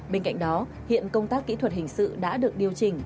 bên cạnh đó hiện công tác kỹ thuật hình sự đã được điều chỉnh